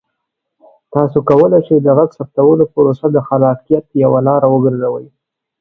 تاسو کولی شئ د غږ ثبتولو پروسه د خلاقیت یوه لاره وګرځوئ.